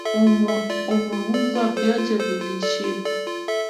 Umeumba vyote viishivyo.